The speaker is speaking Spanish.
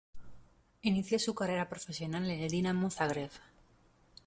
Inició su carrera profesional en el Dinamo Zagreb.